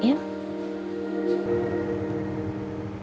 yang bener bener kecewa